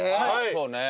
そうね。